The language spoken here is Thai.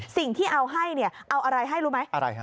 สิ่งที่เอาให้เนี่ยเอาอะไรให้รู้ไหมอะไรฮะ